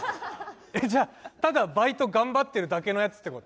えっじゃあただバイト頑張ってるだけのやつってこと？